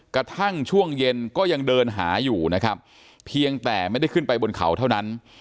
กระทั่งช่วงเย็นก็ยังเดินหาอยู่นะครับเพียงแต่ไม่ได้ขึ้นไปบนเขาเท่านั้น